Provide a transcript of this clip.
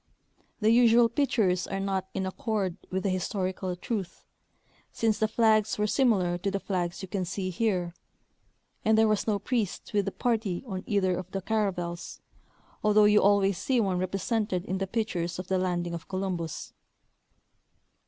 The usual pictures are not in accord with the historical truth, ■ since the flags were similar to the flags you can see here, and there was no priest, with the party on either of the caravels, although you always see one represented in the pictures of the landing of Columbus.